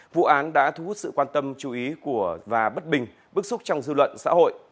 vụ án đã thu hút sự quan tâm chú ý và bất bình bức xúc trong dư luận xã hội